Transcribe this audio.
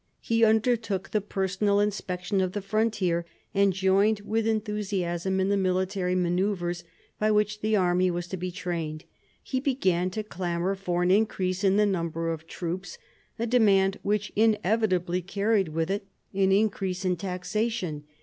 He undertook the personal inspection of the frontier, and joined with enthusiasm in the military manoeuvres by which the army was to be trained. He began to clamour for an increase in the number of the troops, a demand which inevitably carried with it an increase of taxation.